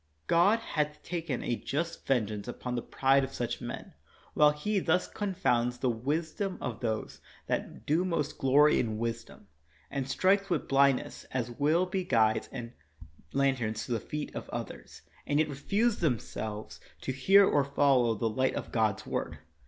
God hath taken a just vengeance upon the pride of such men, while He thus confounds the wisdom of those that do most glory in wisdom, and strikes with blindness such as will be guides and lanterns to the feet of others, and yet refuse themselves to hear or follow the light of God's word.